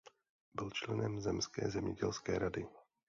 Byl členem zemské zemědělské rady.